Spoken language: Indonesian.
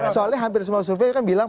soalnya hampir semua survei kan bilang